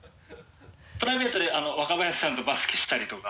プライベートで若林さんとバスケしたりとか。